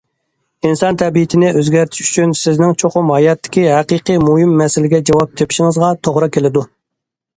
ئىنسان تەبىئىتىنى ئۆزگەرتىش ئۈچۈن سىزنىڭ چوقۇم ھاياتتىكى ھەقىقىي مۇھىم مەسىلىگە جاۋاب تېپىشىڭىزغا توغرا كېلىدۇ.